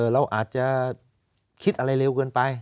เราอาจจะคิดอะไรเร็วเกินไป